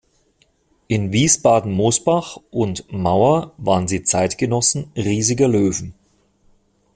In Wiesbaden-Mosbach und Mauer waren sie Zeitgenossen riesiger Löwen.